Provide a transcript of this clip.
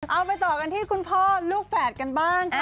เอาไปต่อกันที่คุณพ่อลูกแฝดกันบ้าง